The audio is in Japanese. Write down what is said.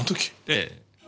ええ。